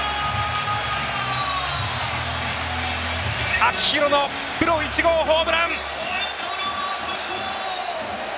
秋広のプロ１号ホームラン！